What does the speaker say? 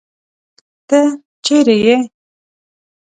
تۀ چېرې ئې ؟